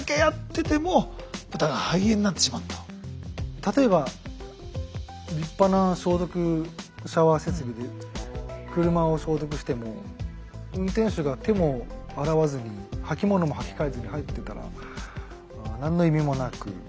例えば立派な消毒シャワー設備で車を消毒しても運転手が手も洗わずに履物も履き替えずに入ってたら何の意味もなく。